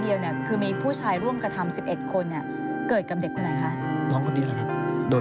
เป็นคนที่กระทำกับน้องในบ้าน